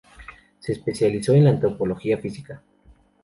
Se especializó en la antropología física.